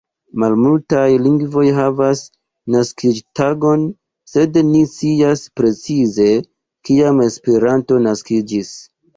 Malmultaj lingvoj havas naskiĝtagon, sed ni scias, precize kiam Esperanto naskiĝis.